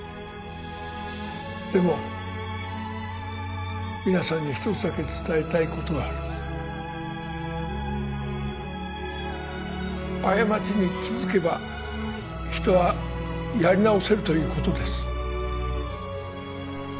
でも皆さんに一つだけ伝えたいことがある過ちに気づけば人はやり直せるということです